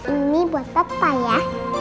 ini buat papa ya